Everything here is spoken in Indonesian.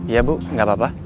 iya bu nggak apa apa